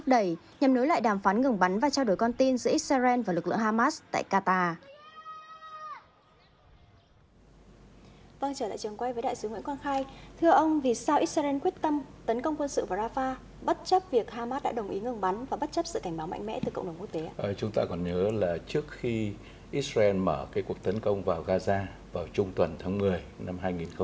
chúng ta còn nhớ là trước khi israel mở cuộc tấn công vào gaza vào trung tuần tháng một mươi năm hai nghìn hai mươi ba